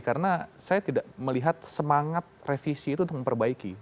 karena saya tidak melihat semangat revisi itu untuk memperbaiki